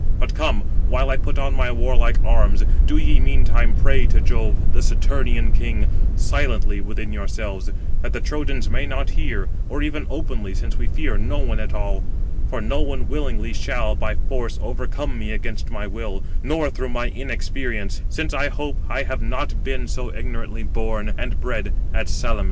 But come, while I put on my warlike arms, do ye meantime pray to Jove, the Saturnian king, silently within yourselves, that the Trojans may not hear; or even openly, since we fear no one at all. For no one willingly shall, by force, overcome me against my will, nor through my inexperience; since I hope I have not been so ignorantly 258 born and bred at Salamis." Footnote 258: (return) I. e.